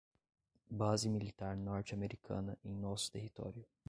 base militar norte-americana em nosso território